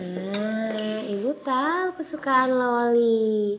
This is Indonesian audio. eh ibu tahu kesukaan loli